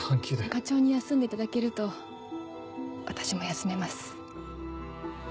課長に休んでいただけると私も休めます。